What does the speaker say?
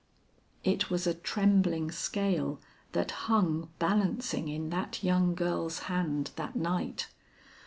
It was a trembling scale that hung balancing in that young girl's hand that night.